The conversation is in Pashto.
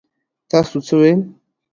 تاسو څه ويل؟